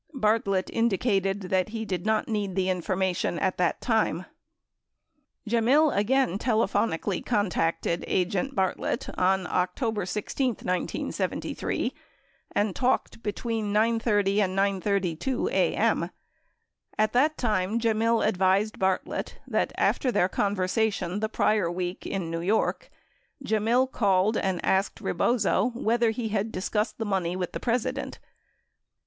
Bartlett indicated that he did not need the information at that time. 81 Gemmill again telephonically contacted agent Bartlett on October 16, 1973, and talked between 9 :30 and 9 :32 a.m. At that time, Gemmill advised Bartlett that after their conversation the prior week in New York, Gemmill called and asked Rebozo whether he had discussed the money with the President.